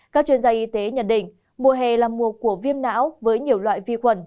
các chuyên gia y tế nhận định mùa hè là mùa của viêm não với nhiều loại vi khuẩn